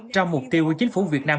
trong mục tiêu của chính phủ việt nam